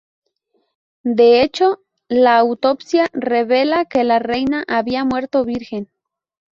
De hecho, la autopsia revelaría que la reina había muerto virgen.